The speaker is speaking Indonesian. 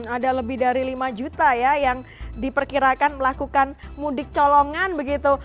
ada lebih dari lima juta ya yang diperkirakan melakukan mudik colongan begitu